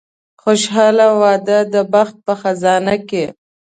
خوشاله واده د بخت په خزانه کې.